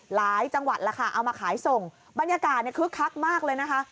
หลายจังหวัดราคาเอามาขายส่งบรรยากาศคือคลักษณ์มากเลยนะคะ